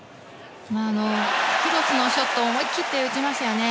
クロスのショットを思い切って打ちますよね。